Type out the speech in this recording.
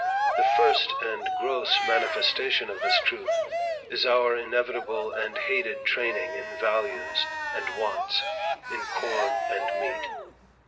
The first and gross manifestation of this truth, is our inevitable and hated training in values and wants, in corn and meat.